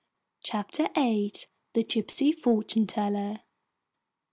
CHAPTER VIII. THE GYPSY FORTUNE TELLER.